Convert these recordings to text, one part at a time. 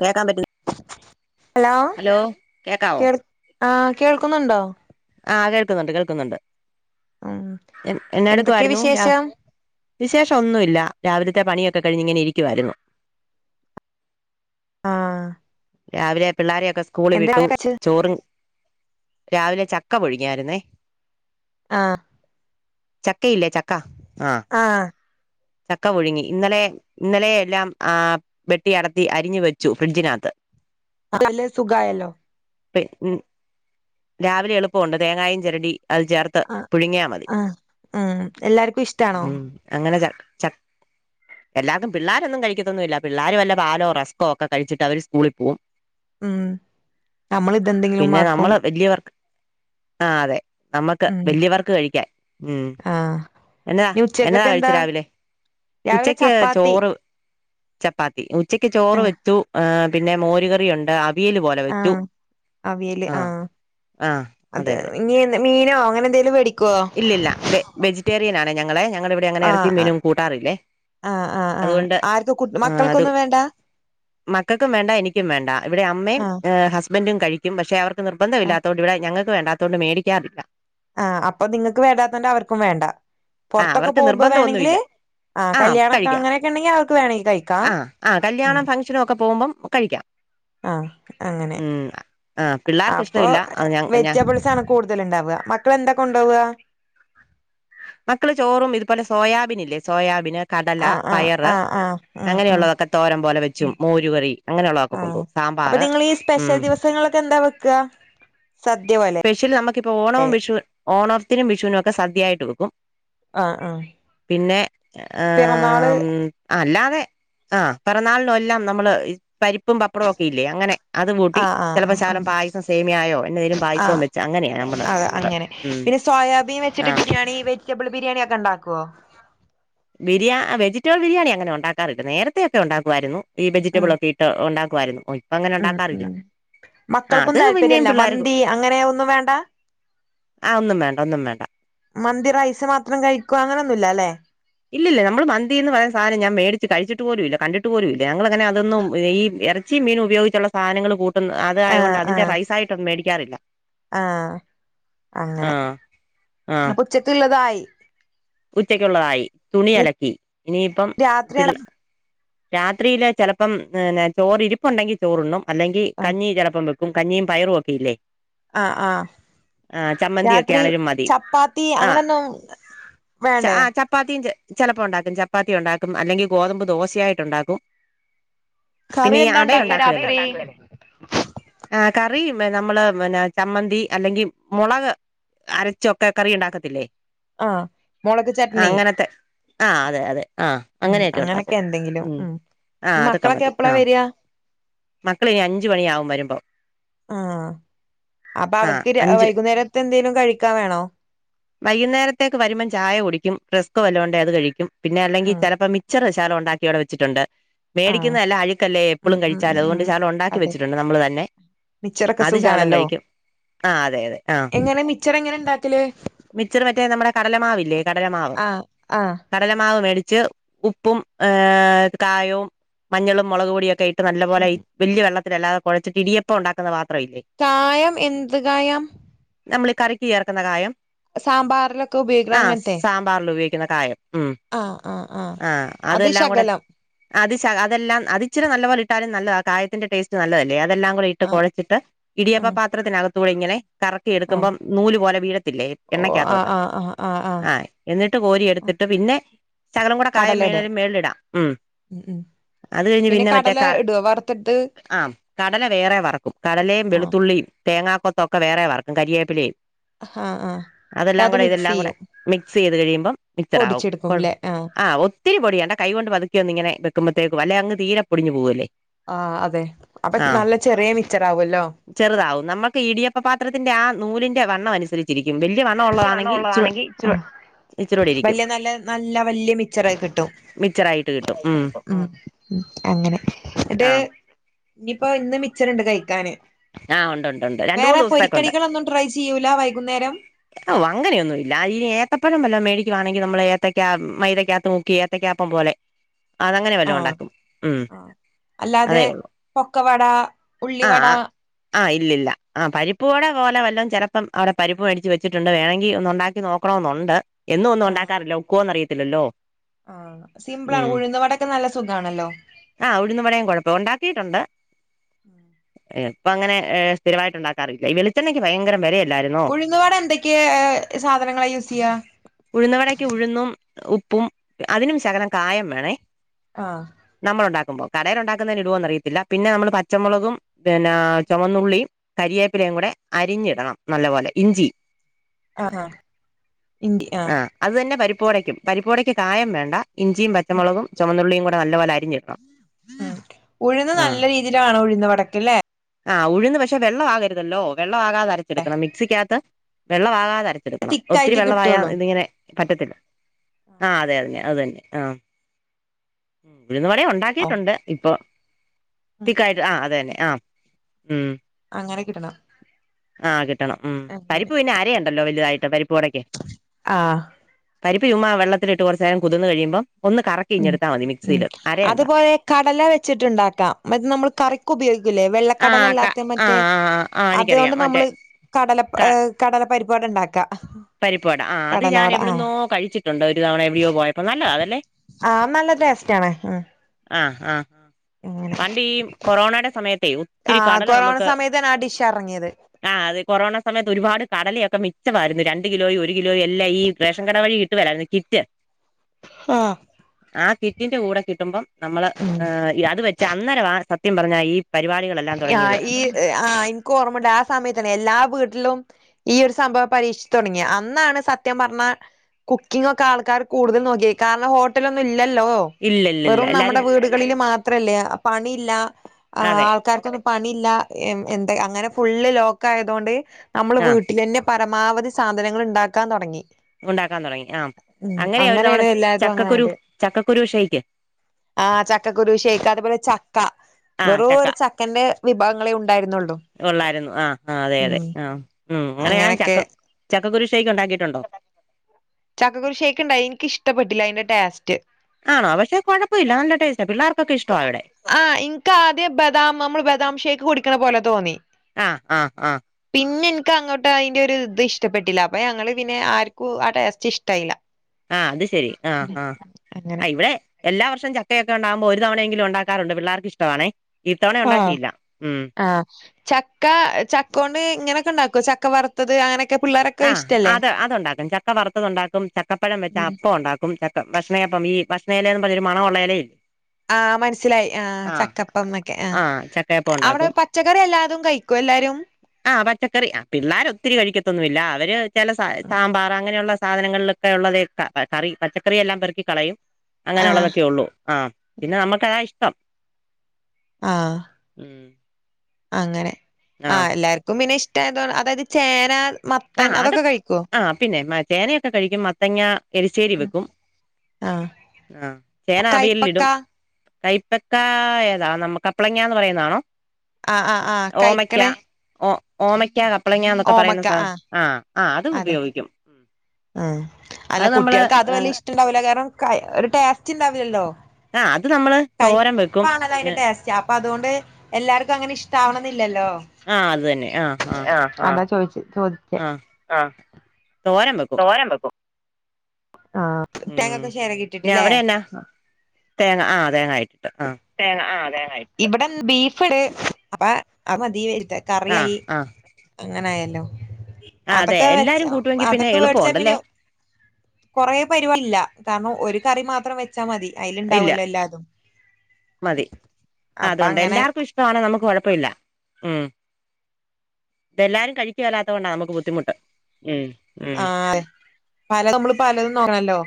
കേൾക്കാൻ പറ്റിന്നില്ലേ? ഹലോ കേക്കാവോ കേ ആഹ് കേൾക്കുന്നുണ്ടോ? ആഹ് കേൾക്കുന്നുണ്ട് കേൾക്കുന്നുണ്ട് ഉം എന്നാ എന്തൊക്കെയ എടുക്കുവായിരുന്നു രാ വിശേഷം വിശേഷം ഒന്നു ഇല്ല രാവിലത്തെ പണിയൊക്കെ കഴിഞ്ഞ് ഇങ്ങനെ ഇരിക്കുവായിരുന്നു. ആഹ്. രാവിലെ പിള്ളോരെയൊക്കെ സ്കൂളി വിട്ടു. കച്ച് ചോറും രാവിലെ ചക്ക പൊഴുങ്ങിയാരുന്നേ. ആഹ്. ചക്കയില്ലേ ചക്ക ആഹ്. ആഹ്. ചക്ക പുഴുങ്ങി ഇന്നലെ. ഇന്നലെ എല്ലാം ആഹ് വെട്ടി അടത്തി അരിഞ്ഞു വെച്ചു ഫ്രിഡ്ജിനകത്ത്. രാവിലെ സുഖ ആയല്ലോ. [unintelligible] രാവിലെ എളുപ്പമുണ്ട് തേങ്ങായും ചെരണ്ടി അത് ചേർത്ത്. ത്ത് ആ പുഴുങ്ങിയാ മതി ആ ഉം എല്ലാർക്കും ഇഷ്ടാണോ ഉം അങ്ങനെ ച എല്ലാതും പിള്ളാരൊന്നും കഴിക്കത്തൊന്നുമില്ല പിള്ളോര് വല്ല പാലോ റസ്കോ ഒക്കെ കഴിച്ചിട്ട് അവര് സ്കൂളിൽ പോവും. ഉം നമ്മളിതെന്തെങ്കിലും ആക്കും. വല്ല്യവർ ആഹ് അതെ നമ്മക്ക് ഉം വല്ല്യവർക്ക് കഴിക്ക്യാൻ ഉം. ആ എന്നതാ ഇനി എന്നതാ ഉച്ചക്കൊക്കെ കഴിച്ച് എന്താ രാവിലെ രാവിലെ ഉച്ചക്ക് ചപ്പാത്തി ചോറ്. ചപ്പാത്തി ഉച്ചക്ക് ആ ചോറ് വെച്ചു ഏഹ് പിന്നെ മോര് കറിയുണ്ട് ആ വീല് പോലെ ആ വെച്ചു ആഹ്. അതെ ഇനിയെന്ത് മീനോ അങ്ങനെന്തെലും വേടിക്ക്വോ. ല്ലില്ല വെ വെജിറ്റേറിയൻ ആണ് ഞങ്ങളെ ഞങ്ങളിവി വിടെ അങ്ങനെ ആ എറച്ചിം ആ മീനും കൂട്ടാറില്ലേ ആ ആ ആ അതുകൊണ്ട് ആർക്കും കു അഹ് തു. മക്കൾക്കൊന്നും വേണ്ട മക്കക്കും വേണ്ട എനിക്ക്യും വേണ്ട ഇവിടെ അമ്മേം ആ ഏഹ് ഹസ് ബന്റും കഴിക്ക്യും പക്ഷെ അവർക്ക് ആ നിർബന്ധമില്ലാത്തൊണ്ട് ഇവിടെ ഞ്ഞങ്ങക്ക് വേണ്ടാത്തോണ്ട് മേടിക്ക്യാറില്ല. ആഹ് അപ്പൊ നിങ്ങക്ക് വേണ്ടാത്തണ്ട് അവർക്കും വേണ്ട. ആഹ് പൊർത്തൊക്കെ അവർക്ക് പോക്പോ നിർബന്ധം വേണെങ്കില് ഒന്നുമില്ല ആഹ് കല്യാണക്ക അങ്ങനൊക്കെണ്ടെങ്കി അവക്ക് വേണെങ്കി കഴി ആഹ് ആഹ് കല്യാണം ഫംഗ്ഷനും ഒക്കെ പോകുമ്പം കഴിക്ക്യാം. ആഹ് അങ്ങനെ ആ പിള്ളേർക്ക് അപ്പൊ ഇഷ്ടമില്ല ആ, ഞ ഞ വെജിറ്റബിൾസാണ്. കൂട്തല്ണ്ടാവ്യ മക്കളെന്ത കൊണ്ടോവ്വ. മക്കള് ചോറും ഇതുപോലെ സോയാബിൻ ഇല്ലേ സോയാബിന്. കടല ആ ആ പയറ് ആ ആ ഉം ഉം അങ്ങനെയുള്ളതൊക്കെ തോരം പോലെ വെച്ചും മോരുകറി അങ്ങനെയുള്ളതൊക്കെ കൊണ്ടുപോം. അപ്പ നിങ്ങളീ സ്പെഷ്യൽ ദിവസങ്ങൾലൊക്കെ എന്താ വെക്കാ സദ്യ പോലെ. ച്ചില് നമ്മക്കിപ്പോ ഓണവും വിഷു ഓണത്തിനും വിഷുനൊക്കെ സദ്യയ്ട്ട് വെക്കും. ആഹ് ആഹ്. പിന്നെ ആം. അല്ലാതെ ആ പെറന്നാൾനു എല്ലാം നമ്മള്. പരിപ്പും പപ്പടവും ഒക്കെ ഇല്ലേ അങ്ങനെ അത് കൂട്ടി ആ ആ ചെലപ്പോ ശകലം പായസം സേമിയായോ എന്തെങ്കലും പായസവും വെ അത അങ്ങനെ പിന്നെ സോയാബീൻ ആ വെച്ചിട്ട് ബിരിയാണി വെജിറ്റബിൾ ബിരിയാണി ഒക്കെണ്ടാക്ക്വോ. ബിരിയ അ വെജിറ്റബിൾ ബിരിയാണി അങ്ങനെ ഉണ്ടാക്കാറ്ണ്ട് നേരത്തെയക്കെ ഉണ്ടാക്കുവായിരുന്നു ഈ ഉം വെജിറ്റബിൾ ഒക്കെ ഇട്ട് ഉണ്ടാ ക്കുവായിര്ന്നു ഒയ്. പ്പങ്ങനെ ഉം ഉണ്ടാക്കാറില്ല ഉം മക്കൾക്കും അത് പിന്നേം താല്പര്യല്ല പിള്ളേർക്ക്. മന്തി അങ്ങനെ ഒന്നും വേണ്ട ആ ഒന്നും വേണ്ട ഒന്നും വേണ്ട. മന്തി റൈസ് മാത്രം കഴിക്കു അങ്ങനൊന്നുല്ല ലേ. ഇല്ലില്ല നമ്മള് മന്തി എന്ന് പറയുന്ന സാനം ഞാ മേടിച്ച് കഴിച്ചിട്ട് പോലുഇല്ല കണ്ടി ട്ടു പോലുല്ല ഞങ്ങള്ങ്ങനെ അതൊന്നും ഈ എറച്ചി മീനു ഉപയോഗിച്ചുള്ള സാധനങ്ങൾ കൂട് ട്ട്ന്ന് അതായതൊണ്ട് ആഹ് അതിന്റെ ആഹ് റൈസായിട്ടൊന്ന മേടിക്ക്യാറില്ല. ആഹ് ആ അങ്ങനെ അപ്പുച്ചക്ക്ള്ളതായി. ഉച്ചക്ക്യുള്ളതായി തുണിയലക്കി ഇനിയിപ്പം രാത്രി പിള്ള രാത്രിയില് ചെലപ്പം ന്ന്നെ ചോറിരിപ്പുണ്ടെങ്കി ചോറുണ്ണും അല്ലെങ്കി ആഹ് കഞ്ഞി ചെലപ്പം വെ ക്കും കഞ്ഞിം പയറും ഒക്കെയില്ലേ. ആഹ് ആഹ് ആഹ് ചമ്മന്തിയൊക്കെ രാത്രി ആണേലും മതി ചപ്പാത്തി ആഹ്. അങ്ങനൊന്നും ച വേണ്ടേ ആ ചപ്പാത്തിൻ്റെ ചെലപ്പോ ഉണ്ടാക്കും ചപ്പാത്തി ഉണ്ടാക്കും അല്ലെങ്കി ഗോതമ്പ് ദോശയായിട്ടുണ്ടാക്കും. പിന്നെ കറി ഈ എന്താ ഉണ്ടാക്ക അടയുണ്ടാക്കുവല്ലേ. രാത്രി ആഹ് കറി മ നമ്മള് പിന്നെ ചമ്മന്തി അല്ലെങ്കി മുളക്. അരച്ചൊക്കെ കറിയുണ്ടാക്കത്തില്ലേ. ആഹ്. മുളക് ചട്നി അങ്ങനത്തെ ആഹ് അതെ അതെ. ആഹ് ഉം അങ്ങനെയൊക്കെ അങ്ങനൊക്കെ ഉണ്ടാക്കും എന്തെങ്കിലും ഉം ആഹ് ഈ അതൊക്കെ മക്കളൊക്കെ മതി എപ്പളാ ആഹ്. വരിക മക്കളിനി അഞ്ച് മണിയാവും വരുമ്പൊ. അപ്പ ആഹ് അവര്ക്ക് രാ അഞ്ച് വൈകുന്നേരത്തെന്തെലും കഴിക്കാ വേണോ. വൈകുന്നേരത്തേക്ക് വരുമ്പം ചായ കുടിക്ക്യും റെസ്ക് വല്ലോണ്ടേ അത് കഴിക്ക്യും. പിന്നെ അല്ലെങ്കി ഉം ചെലപ്പോ മിച്ചറ് ശകലം ഉണ്ടാക്കി ഇവിടെ വെച്ചിട്ടുണ്ട്. ആഹ് മേടിക്കുന്നല്ല എല്ലാ അഴുക്കല്ലേ ഉം എപ്പളും ഉം ഉം കഴിച്ചാല് ഉം അതുകൊണ്ട് ശകല ഉണ്ടാക്കി അതെ വച്ചിട്ടുണ്ട് നമ്മള് തന്നെ. മിച്ചറൊക്കെ അത് ശകലം സുഖാണല്ലോ കഴിക്കും ആ അതെ അതെ ആ എങ്ങനെ മിച്ചറെങ്ങനെ ണ്ടാക്കല്. മിച്ചർ മറ്റേ നമ്മുടെ കടലമാവില്ലേ കടലമാവും് ആഹ് ആഹ് കടലമാവ് മേടിച്ച് ഉപ്പും കായവും മഞ്ഞളും മുളക് പൊടിയൊക്കെ ഇട്ട നല്ല പോലെ. ഉം വെല്യവെള്ളത്തിലല്ലാതെ കുഴച്ചിട്ട ഇടിയപ്പ ഉണ്ടാക്കുന്ന മാത്ര ഇല്ലേ കായം എന്ത് കായം നമ്മൾ ഈ കറിക്ക് ചേർക്കുന്ന കായം സാമ്പാർ ആഹ സാമ്പാറിൽ ഉപയോഗിക്കുന്ന കായം ഉം ആഹ് ആഹ് ആഹ് ആഹ അത് അതെല്ലാം കൂടെ ശകലം അത് ശ അതല്ലാം അതിച്ചി നല്ലപ പോലെ ഇട്ടാലും നല്ലത ആ കായത്തിന്റെ ടേസ്റ്റ് നല്ലതല്ലേ അതെല്ലാം കൂടെ ഇ് ആഹ് കുഴച്ചിട്ട് ഇടിയപ്പ ഉം പാത്രത്തിനകത്തൂടി ഇങ്ങനെ കറക്കി ആഹ് എടുക്കുമ്പോ നൂല് പോലെ വീഴത്തില്ലേ ഓ ആഹ് എണ്ണയ്ക്കകത്തോട്ട് ആഹ് ആഹ് ആഹ് എന്നിട്ട് കോരി എടുത്തിട്ട് പിന്നെ സകല കടെ കായ കടല മേന ഇടും മേിൽിടാം ഉം ഉം ഉം അത് കഴിഞ്ഞ് പിന്നെ മറ്റേ കടല ഇടുവോ വറുത്തിട്ട് ആ കടല വേറെ വറക്കും കടലയും ആഹ് വെളുത്തുള്ളി പി തങ്ങാൊ കൊത്ത്ഒക്കെ വേറെ വർക്കും കരിയേപ്പിലൽ ആഹ ആഹ അതെല്ലാം കൂടെ ഇതെല്ലാം കൂടെ മിക്സ് ചെയ്ത് കഴിയുമ്പം മിക്സർ ആാവും പൊടിച്ചെടുക്കും കൊഴ ല്ലേ ആഹ് ആ ഒത്തിരി പൊടിയണ്ട കൈ കൊണ്ട് വതുക്കുവന്ന ഇങ്ങനെക്കുമ്പഴേും അങ് തീരെൊടിുഞ് പോവല്ലേ ആ അതെ അപ്പൊ ആഹ് നല്ല ചെറിയ മിച്ചർ ആാവല്ലോ ചെറുതാവും നമുക്ക് ഇടിയപ്പ പാത്രത്തിന്റെ ആ നൂലിന്റെ വണ്ണം അനുസരിച്ചു ഇരിക്കും വലിയ വണ്ണം ഉള്ളതാണെങ്കിൽ ഇ ഉള്ളതാണെങ്കി ഇച്ചിരി ആഹ് മച്ചറോടി ഇരിക്കും വലിയ നല്ല നല്ല വലിയ മിച്ചറായി കിട്ടും മിച്ചറായിട്ട് കിട്ടും ഉ ഉം അങ്ങനെ. എന്നട്ട് ആഹ് ഇനിയിപ്പോ ഇന്ന് മിച്ചർ ഉണ്ട് കഴിക്കാന്. ആഹ് ഉണ്ട് ഉണ്ട് ഉണ്ട് രണ്ടു വേറെ മൂന്ന് ദിവസത്തേക്കുണ്ട്. പൊരിക്കടികളൊന്നും ട്രൈ ചെയ്യൂല വൈകുന്നേരം. ഓഹ് അങ്ങനയൊന്നൂല്ല. അതിന് ഏത്തപ്പഴം വല്ലതും മേടിക്കുവാണെങ്കി നമ്മള് ഏത്തയ്ക്ക മൈദയ്ക്കാത്ത് മു ഏത്തയ്ക്കാപ്പം പോലെ അതങ്ങനെ വല്ലതും ആഹ് ഉണ്ടാക്കും. ഉം. അതേ ഉള്ളൂ. പക്കവട ആഹ് ആഹ് ഇല്ലില്ല. ആഹ് പരിപ്പുവട പോലെ വല്ലതും ചിലപ്പം അവിടെ പരിപ്പു മേടിച്ച് വെച്ചിട്ടുണ്ട്. വേണെങ്കി ഒന്നു ഉണ്ടാ നോക്കണോന്നുണ്ട്. എന്നും ഒന്നും ആഹ് ഉണ്ടാക്കാറില്ല. ഒക്കുവോന്ന് അറിയത്തില്ലല്ലോ. ആഹ് സിമ്പിൾ ആണ്. ഉഴുന്നുവടയൊക്കെ നല്ല സുഖാണല്ലോ. ആഹ് ഉഴുന്നുവടേം കൊഴപ്പ ഉണ്ടാക്കിയിട്ടുണ്ട്. ഏഹ് ഇപ്പ അങ്ങനെ ഏഹ് സ്ഥിരമായിട്ടുണ്ടാക്കാറില്ല. ഈഹ് വെളിച്ചണ്ണയ്ക്ക് ഭയങ്കര വിലയല്ലെ. ഉഴുന്നുവട എന്തൊക്കേ സാധനങ്ങളാ യൂസ് ചെയ്യാ? ഉഴുന്നവടയ്ക്ക് ഉഴുന്നും ഉപ്പും അതിനും ശകലം കായം വേണേ. ആഹ്. നമ്മൾ ഉണ്ടാക്കുമ്പോ. കടയില് ഉണ്ടാക്കുന്നതില് ഇടുവോന്നറിയത്തില്ല. പിന്നെ നമ്മള് പ ച്ചമുളകും പിന്നെ ചുവന്നുള്ളിയും കരിവേപ്പിലേയും കൂടെ അരിഞ്ഞിടണം. നല്ല പോലെ ഇഞ്ചി ആഹ് ആഹ് ഇൻ്റി ആഹ് അത് തന്നെ പരിപ്പുവടയ്ക്കും. പരിപ്പുവടയ്ക്ക് കായം വേണ്ട. ഇഞ്ചിയും ഉം പച്ചമുളകും ചുവന്നുള്ളിയും കൂടെ നല്ലപോലെ അരിഞ്ഞിടണം. ഓകെ. ഉഴുന്ന് ആഹ് നല്ല രീതിയില് വേണം. ഉഴുന്നുവടയ്ക്കല്ലേ. ആഹ് ഉഴുന്ന് പക്ഷെ വെള്ളം ആകരുതല്ലോ. വെള്ളമാകാതെ അരച്ചെടുക്കണം. മിക്സിക്കകത്ത് വെള്ളമാകാതെ അരച്ചെടു ക്കണം ഒത്തിരി തിക്കായിട്ട് വെള്ളമായാ കിട്ടുള്ളൂ ഇതിങ്ങനെ പറ്റത്തില്ല. ആഹ് അതെ അതെ അതന്നെ. ആഹ് ഉം ഉഴുന്നുവടേം ഉ ഓഹ് ണ്ടാക്കിയിട്ടുണ്ട്. ഇപ്പൊ തിക്കായിട്ട്. ആഹ് അത് തന്നെ. ആഹ് ഉം അങ്ങനെ കിട്ടണം. ആഹ് കിട്ടണം. ഉം അങ്ങനെ പരിപ്പു പിന്നെ അരയണ്ടല്ലോ വലുതായിട്ട്. പരിപ്പുവടക്ക് ആഹ്. പരിപ്പ് ചുമ്മാ വെള്ളത്തിലിട്ട് കുറച്ചു നേരം കുതിർന്ന് കഴിയുമ്പോ ഒന്ന് ഉം കറക്കിങ്ങെടുത്താൽ മതി ഉം മിക്സിയില്. അരയണ്ട. അതുപോലെ കടല വെച്ചിട്ട് ഉണ്ടാക്കാം. മറ്റേ നമ്മൾ കറിക്ക് ഉപയോഗിക്കൂലേ. ആഹ് ക വെള്ളക്കടലല്ലാത്ത മറ്റേ. ആഹ് ആഹ് ആഹ് എനിക്കറിയാം അതുകൊണ്ട് മറ്റേ നമ്മള് കടല പ ഏഹ് കടലപ്പരിപ്പു കൊണ്ടാ ഉണ്ടാക്ക. പരിപ്പുവട ആഹ് അത് ഞാൻ കടലവട ആഹ് എവിടന്നോ കഴിച്ചിട്ടുണ്ട് ഒരു തവണ എവിടെയോ പോയപ്പോ. നല്ലതാ അതല്ലേ. ആഹ് നല്ല ടേസ്റ്റ് ആണ്. ഉം ആഹ് ആഹ്. അങ്ങനെ പണ്ട് ഈ കൊറോണയുടെ സമയത്തെ ഒത്തിരി ആഹ് കടല കൊറോണ നമുക്ക് സമയത്താണ് ആ ഡിഷ് എറങ്ങിയത് ആഹ് അത് കൊറോണ സമയത്ത് ഒരുപാട് കടലയൊക്കെ മിച്ചമായിരുന്നു. രണ്ട് രണ്ട് കിലോയും ഒരു കിലോയും എല്ലാ ഈ റേഷൻ കട വഴി കിട്ടുവേലായിരുന്നു കിറ്റ്. ആഹ് ആഹ് കിറ്റിന്റെ കൂടെ കിട്ടുമ്പം നമ്മള് ഉം അത് വെച്ച് അന്നേരം ആഹ് സത്യം പറഞ്ഞാ ഈ പരിപാടികള് ആഹ് ഈ ആഹ് എനിക്ക് ഓർമ്മയുണ്ട്. ആഹ് സമയത്താണ്. എല്ലാ വീട്ടിലും ഈ ഒരു സംഭവം പരീക്ഷിച്ചു തുടങ്ങി. അന്നാണ് സത്യം പറഞ്ഞ കുക്കിംഗ് ഒക്കെ ആൾക്കാർ കൂടുതൽ നോക്കിയേ. കാരണം ഹോട്ടലൊന്നും ഇല്ലല്ലോ. ഇല്ലില്ലില്ല വെറും നമ്മുടെ എല്ലാരും വീടുകളില് മാത്രല്ലേ. പണിയില്ല അതെ ആൾ ക്കാർക്കൊന്നും പണിയില്ല എ എന്ത് അങ്ങനെ ഫുള്ള് ലോക്ക് ആയതുകൊണ്ട് നമ്മള് ആഹ് വീട്ടിലന്നെ പരമാവധി സാധനങ്ങള് ഉണ്ടാക്കാൻ തുടങ്ങി. ഉണ്ടാക്കാൻ തുടങ്ങി ആഹ് ഉം അങ്ങനെയാ ഒരു തവണ അങ്ങനെയാണ് എല്ലായിതും ചക്കക്കുരു ചക്കക്കുരു ഷേയ്ക്ക് ആഹ് ചക്കക്കുരു ഷേയ്ക്ക്. അതുപോലെ ചക്ക. ആഹ് വെറു ചക്ക ഒരു ച ക്കന്റെ വിഭവങ്ങളേ ഉണ്ടായിരുന്നുള്ളൂ. ഉള്ളായിരുന്നു ആഹ് ആഹ് അതെ അതെ ഉം ആഹ് ഉം അങ്ങനെയ ഞൻ ചക്ക അങ്ങനെയൊക്കെ ചക്കക്കുരിശ്ശയ്ക്ക് ഉണ്ടാക്കിയിട്ടുണ്ടോ? ചക്കക്കുരു ഷേക്ക് ഇണ്ടായി ഇൻക്ക് ഇഷ്ടപ്പെട്ടില്ല അതിന്റെ ടേസ്റ്റ് ആണോ പക്ഷെ കുഴപ്പമില്ല നല്ല ടേസ്റ്റ പിള്ളേർക്കൊക്കെഷ്ടവാ ഇവിടെ ആഹ് ഇൻക്ക് ആദ്യം ബദാം നമ്മൾ ബദാം ഷേക്ക് കുടിക്കണ പോലെ തോന്നി ആഹ് ആഹ് ആഹ് പിന്നെ എനിക്ക് അങ്ങോട്ട് അതിന്റെ ഒരു ഇത് ഇഷ്ടപ്പെട്ടില്ല അപ്പൊ ഞങ്ങള് പിന്നെ ആർക്കും ടേസ്റ്റ് ഇഷ്ടായില്ല ആഹ് അത് ശെരി ആഹ് ആഹ് അങ്ങനെ ആഹ് ഇവിടെ എല്ലാ വർഷ ചക്കൊക്കെ ഉണ്ടക്പോ ഒരു തവണെങ്കിലും ഉണ്ടാറുണ്ട് പിള്ളേർക്ക് ഇഷ്ടവാണേ ഇത്തവണ ആഹ് ഉണ്ടാക്കിയില്ല ഉം ആഹ് ചക്ക ചക്ക കൊണ്ട് ഇങ്ങനെയൊക്കെ ഉണ്ടാക്കോ ചക്ക വറുത്തത് അങ്ങനെ ആഹ് അത് അത്ണ്ടാക്കും ചക്ക വറുത്തത് ഉണ്ടാക്കും ചക്കപ്പഴം വെച്ച ഉം അപ്പം ഉണ്ടാക്കും ച ക്ക ഭക്ഷണയഅപ്പം ഈ ഭക്ഷണ ഇലയന്ന് പറഞ്ഞൊരു മണമള്ള ഇലയി ആഹ് മനസ്സിലായി ആഹ് ചക്കപ്പം എന്നൊക്കെ ആ ആഹ് ചക്കയപ്പം അവിടെ ഉണ്ടാക്കും പ പച്ചക്കറി എല്ലാതും കഴിക്കൊ എല്ലാരും? ആഹ് പച്ചക്കറി പിള്ളോര ഒത്തിരി കഴിക്കത്തൊന്നുമല്ല അവര് ചില സ സാമ്പാർ അങ്ങനെയുള്ള സാധനങ്ങളിലൊക്കെ ഉള്ളത് കറി പച്ചക്കറെല്ലാം പെറുക്കി കളയും. ആഹ് അങ്ങനെയുള്ളതൊക്കെ ഉള്ളൂ ആഹ് പിന്നെ നമ്മുക്ക ഇഷ്ടം ആഹ് ഉം അങ്ങനെ ആ ആഹ് എല്ലാർക്കും പിന്നെ ഇഷ്ടമായതോ അതായത് ചേന മത്തൻ അതൊക്കെ കഴിക്കുവോ? ആഹ് പിന്നെ മാ ചേനയൊക്കെ കഴിക്കും മത്തങ്ങ എലശ്ശേരി വെക്കും ആഹ് ആഹ് ചേന കൈപ്പക്ക അവയലിടും കൈപ്പക്ക ഏതാ നമ്മ കപ്പളങ്ങ എന്ന് പറയുന്നതാണോ? ആഹ് ആഹ് ആഹ് ഓമയ്ക്ക കഴിക്കണേ ഓ ഓമയ്ക്കാ കപ്പളങ്ങ എന്നൊക്കെ പറയുന്ന സാധനം ആഹ് ആഹ് അത് അതെ ഉപയോഗിക്കും ഉം ആഹ് അല്ല കുട്ടികൾക്ക് അത് വല്യയ ഇഷ്ടംണ്ടാവൂലല്ലോ കാരണം ഒരു ടേസ്റ്റ് ഉണ്ടാവില്ലല്ലോ? ആഹ് അത് നമ്മള് തോരം വെക്കും. കൈപ്പാണല്ലോ അതിന്റെ ടേസ്റ്റ് അപ്പൊ അതോണ്ട് എല്ലാർക്കും അങ്ങനെ ഇഷ്ടാവണം എന്നില്ലല്ലോ ആഹ് അത് തന്നെ ആഹ് ആഹ് അഹ് ചോദിച്ച ചോദിച്ചേ ആഹ് ആഹ് തോരൻ വെക് തോരം വെക്കും ആഹ് ഉം തേങ്ങൊക്കെ പിന്ന ചിരകിട്ടിട്ടില്ലേ അവടെന്നെ തേങ്ങ ആഹ് തേങ്ങ ആയിട്ടിട്ട് ആഹ് തേങ്ങ ആഹ് ഇവിടെ ബീഫട് അപ്പൊ അത് മതി വരുത ആഹ് കറിയായി ആഹ് അങ്ങനൊയല്ലോ ആഹ് അതെ അതൊക്കെ വെ എല്ലാരും കൂട്ടുവെങ്കിൽ പിന്നെ അതൊക്കെ മേടിച്ച പിന്നെ എളുപ്പമുണ്ടല്ലേ കൊറെ പരുവല്ല കാരണം ഒരു കറി മാത്രം വെച്ചാ മതി ഇല്ല അതിലുണ്ടാവല്ലോ എല്ലാതും മതി അപ്പൊ അതുകൊണ്ട് അങ്ങനെ എല്ലാർക്കും ഇഷ്ടമാണ നമുക്ക് കൊഴപ്പമില്ല ഉം ഇതെല്ലാരും കഴിക്കുക വല്ലാത്തത് കൊണ്ടാണ് നമുക്ക് ബുദ്ധിമുട്ട് ഉം ഉം ആഹ് പല നമ്മള് പലതും നോക്കണല്ലോ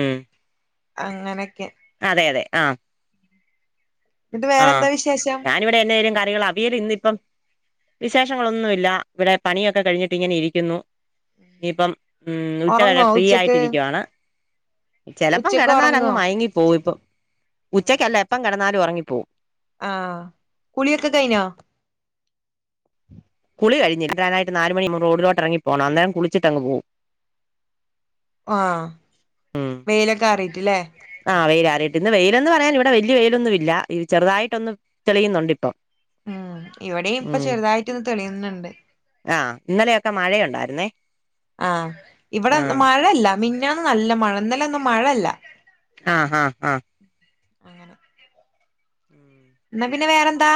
ഉം അങ്ങനെയൊക്കെ അതെ അതെ ആഹ് എന്നിട്ട് ആഹ് വേറെന്താ വിശേഷം ഞാനിവിടെ എന്തെലും കറികളാ അവിയൽ ഇന്നിപ്പം വിശേഷങ്ങളൊന്നുമില്ല ഇവിടെ പണിയൊക്കെ കഴിഞ്ഞിട്ട് ഇങ്ങനെ ഇരിക്കുന്നു ഇനിയിപ്പം ഉം ഉച്ചകഴ ഒറങ്ങോ ഫ്രീ ഉച്ചക്ക് ആയിട്ടിരിക്കുവയാണ് ചിലപ്പം ഉച്ചക്ക് കിടന്നാലും ഒറങ്ങോ അങ്ങ് മയങ്ങി പോവും ഇപ്പ ഉച്ചക്കല്ല എപ്പം കിടന്നാലും ഉറങ്ങി പോകും ആഹ് കുളിയൊക്കെ കഴിഞ്ഞോ കുളിഴിട്ടാനായിട്ട നാല മണി ന റോഡിലോട്ട ഇറങ്ങപ്പോകണം അന്നേരം കുളിച്ചിട്ടങ് പോവും ആഹ് ഉം വെയിലൊക്കെ അറിയിട്ടില്ലേ ആഹ് വെയിലാറിട്ട് ഇന്ന് വെയിലന്ന് പറയാൻ ഇവിടെ വല്യ വെയിലൊന്നും ഇല്ല ഈ ചെറുതായിട്ടൊന്നന്ന് തെളിയുന്നുണ്ട് ഇപ്പൊ ഉം ഇവിടെയും ഇപ്പ ചെറുതായിട്ട് ഒന്ന് തെളിയുന്നുണ്ട് ആഹ് ഇന്നലെയൊക്കെ മഴയുണ്ടായിരുന്നേ ആഹ് ഇവിടെ ആഹ് മഴയല്ല മിഞ്ഞാന്ന് നല്ല മഴ ഇന്നലെ ഒന്നും മഴല്ല ആഹ് ആഹ് അങ്ങനെ ഉം ന്നാ പിന്നെ വേറെന്താ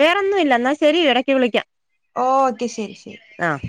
വേറൊന്നും ഇല്ല എന്നാ ശരി ഇടയ്ക്ക് വിളിക്കാം ഓക്കെ ശരി ആഹ്